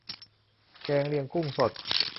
แกงเลียงกุ้งสด